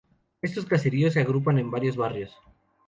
Estos caseríos se agrupan en varios barrios.